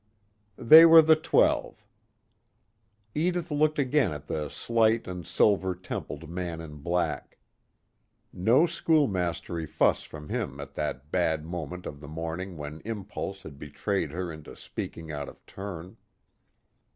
They were the Twelve. Edith looked again at the slight and silver templed man in black. No schoolmastery fuss from him at that bad moment of the morning when impulse had betrayed her into speaking out of turn.